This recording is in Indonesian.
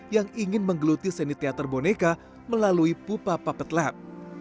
yang ingin menggeluti seni teater boneka melalui pupa puppet lab